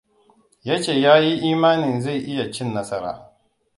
Ya ce ya yi imanin zai iya cin nasara.